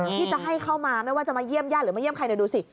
ที่จะให้เข้ามาไม่ว่าจะมาเยี่ยมญาติหรือมาเยี่ยมใครดูสิ